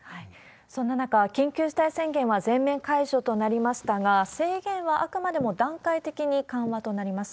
そんな中、緊急事態宣言は全面解除となりましたが、制限はあくまでも段階的に緩和となります。